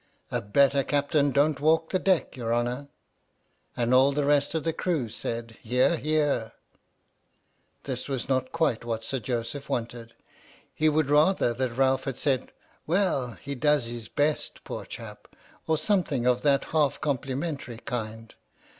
" A better Captain don't walk the deck, your honour! " And all the rest of the crew said " Hear, hear! " This was not quite what Sir Joseph wanted. He would rather that Ralph had said, "Well, he does his best, poor chap," or something of that half com plimentary kind.